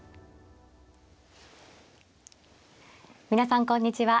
皆さんこんにちは。